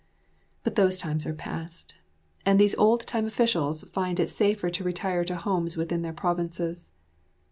But those times are past, and these old time officials find it safer to retire to homes within their provinces.